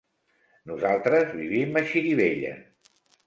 Nosaltres vivim a Xirivella.